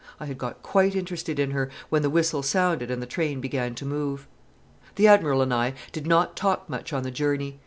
I had got quite interested in her, when the whistle sounded and the train began to move. The Admiral and I did not talk much on the journey.